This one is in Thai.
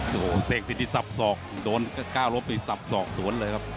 โศกที่สับส่องโดนก้าลบไปสับส่องสวนเลยครับ